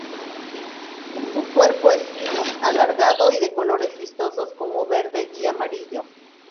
Su cuerpo es fino, alargado y de colores vistosos como verde y amarillo.